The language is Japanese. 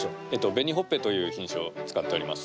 紅ほっぺという品種を使っております。